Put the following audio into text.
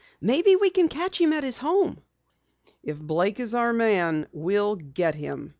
Maybe we can catch him at his home!" "If Blake is our man, we'll get him!"